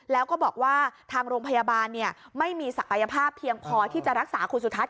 แล้วก็บอกว่าทางโรงพยาบาลไม่มีศักยภาพเพียงพอที่จะรักษาคุณสุทัศน